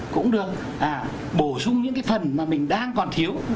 cũng được bổ sung những cái phần mà mình đang còn thiếu